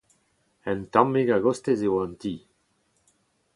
Un tammig a-gostez e oa an ti.